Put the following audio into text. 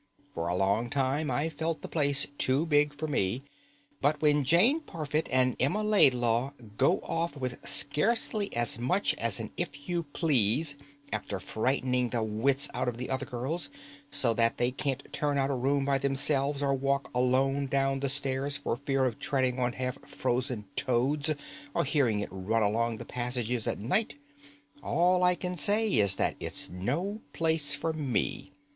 For a long time I've felt the place too big for me, but when Jane Parfit, and Emma Laidlaw go off with scarcely as much as an 'if you please,' after frightening the wits out of the other girls, so that they can't turn out a room by themselves or walk alone down the stairs for fear of treading on half frozen toads or hearing it run along the passages at night, all I can say is that it's no place for me.